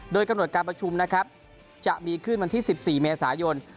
โดยกำหนดการประชุมนะครับจะมีขึ้นวันที่๑๔เมษายน